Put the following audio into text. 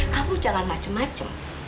kamu jangan macam